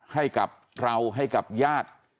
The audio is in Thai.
ให้กับเราให้กับญาติ